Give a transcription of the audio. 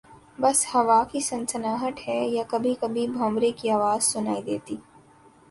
بس ہوا کی سنسناہٹ ہے یا کبھی کبھی بھنورے کی آواز سنائی دیتی